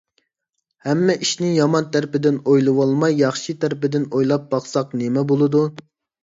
ھەممە ئىشنى يامان تەرىپىدىن ئويلىماي، ياخشى تەرىپىدىن ئويلاپ باقساق نېمە بولىدۇ؟